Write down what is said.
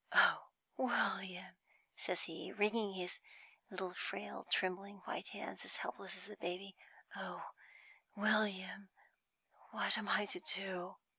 "Oh, William," says he, wringing his little frail, trembling white hands as helpless as a baby, "oh, William, what am I to do?"